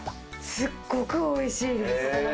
すごくおいしいです。